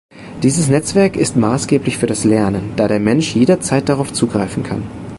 Dieses Netzwerk ist maßgeblich für das Lernen, da der Mensch jederzeit darauf zugreifen kann.